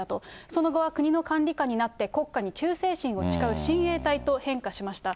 その後は国の管理下になって、国家に忠誠心を誓う親衛隊と変化しました。